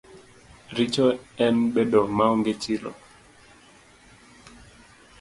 Richo en bedo maonge chilo.